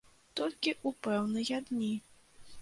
Толькі ў пэўныя дні.